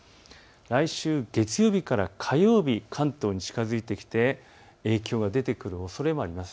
来週月曜日から火曜日、関東に近づいてきて影響が出てくるおそれもあります。